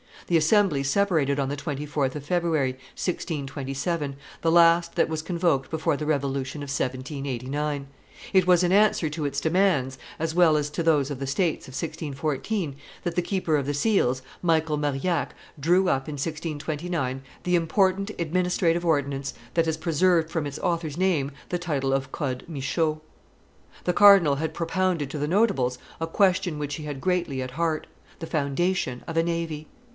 The Assembly separated on the 24th of February, 1627, the last that was convoked before the revolution of 1789. It was in answer to its demands, as well as to those of the states of 1614, that the keeper of the seals, Michael Marillac, drew up, in 1629, the important administrative ordinance which has preserved from its author's name the title of Code Michau. The cardinal had propounded to the Notables a question which he had greatly at heart the foundation of a navy.